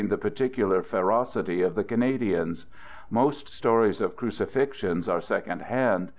the particular ferocity of the Canadians. Most sto ries of crucifixions are second hand.